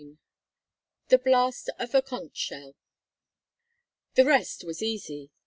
THE BLAST OF A CONCH SHELL. The rest was easy.